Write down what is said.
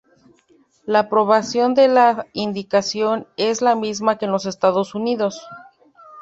La aprobación de la indicación es la misma que en los Estados Unidos.